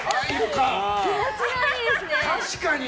確かに！